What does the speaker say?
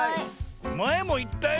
まえもいったよ。